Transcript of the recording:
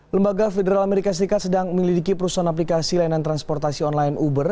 lembaga federal amerika serikat sedang melidiki perusahaan aplikasi layanan transportasi online uber